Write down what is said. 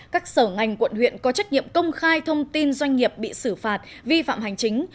các sở ngành quận huyện có trách nhiệm công khai thông tin doanh nghiệp bị xử phạt vi phạm hành chính